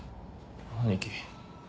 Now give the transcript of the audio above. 兄貴。